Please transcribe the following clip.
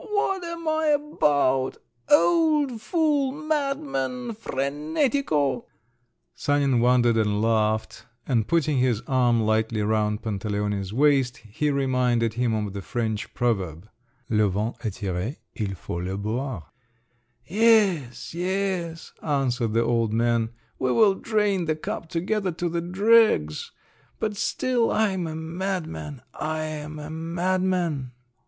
"What am I about, old fool, madman, frenetico?" Sanin wondered and laughed, and putting his arm lightly round Pantaleone's waist, he reminded him of the French proverb: "Le vin est tiré—il faut le boire." "Yes, yes," answered the old man, "we will drain the cup together to the dregs—but still I'm a madman! I'm a madman!